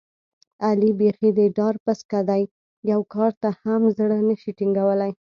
علي بیخي د ډار پسکه دی، یوه کار ته هم زړه نشي ټینګولی.